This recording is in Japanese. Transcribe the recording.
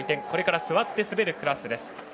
これから座って滑るクラスです。